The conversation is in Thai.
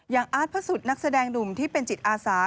ยังอาจผสุดนักแสดงหนุ่มที่เป็นจิตอาสา